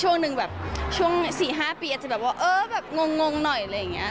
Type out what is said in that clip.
ช่วงหนึ่งแบบช่วง๔๕ปีอาจจะแบบว่าเออแบบงงหน่อยอะไรอย่างนี้